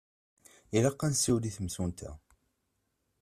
Ilaq ad nsiwel i temsulta.